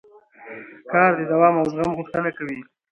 کار د دوام او زغم غوښتنه کوي